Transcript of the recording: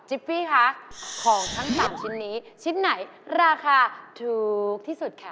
ฟี่คะของทั้ง๓ชิ้นนี้ชิ้นไหนราคาถูกที่สุดค่ะ